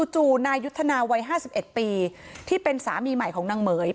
จู่นายยุทธนาวัยห้าสิบเอ็ดปีที่เป็นสามีใหม่ของนางเหม๋ย